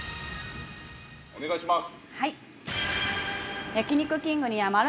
◆お願いします。